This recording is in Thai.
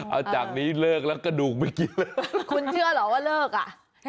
เอาจากนี้เลิกแล้วกระดูกไม่เยอะคุณเชื่อเหรอว่าเลิกอ่ะ